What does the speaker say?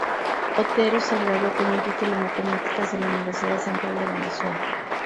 Otero se graduó con un título Matemáticas de la Universidad Central de Venezuela.